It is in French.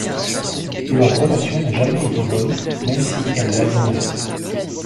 Leur relation n'a jamais été bonne, même si elle l'admirait.